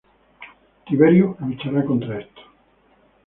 Tiberio luchará contra esto.